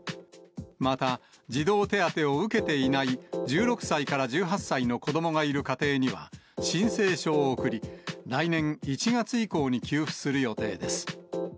また、児童手当を受けていない、１６歳から１８歳の子どもがいる家庭には、申請書を送り、来年１月以降に給付する予定です。